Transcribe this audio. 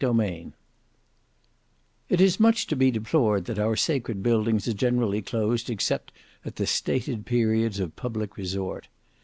Book 4 Chapter 6 It is much to be deplored that our sacred buildings are generally closed except at the stated periods of public resort.